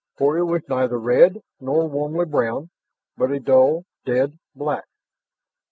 For it was neither red nor warmly brown, but a dull, dead black.